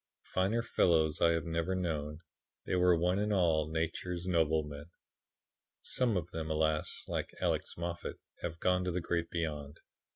Finer fellows I have never known; they were one and all Nature's noblemen. "Some of them, alas! like Alex Moffat, have gone to the Great Beyond.